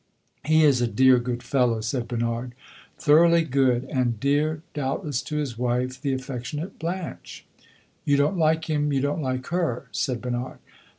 "He is a dear good fellow," said Bernard. "Thoroughly good, and dear, doubtless to his wife, the affectionate Blanche." "You don't like him you don't like her," said Bernard.